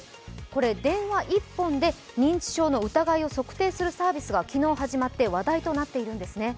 これ、電話１本で認知症の疑いを測定するサービスが昨日始まって話題となっているんですね。